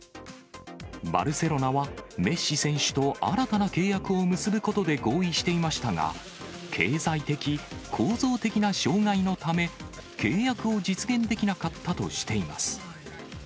バルセロナはメッシ選手と新たな契約を結ぶことで合意していましたが、経済的、構造的な障害のため、契約を実現できなかったとしています。